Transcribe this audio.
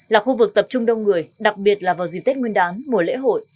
là khu vực tập trung đông người đặc biệt là vào dịp tết nguyên đán mùa lễ hội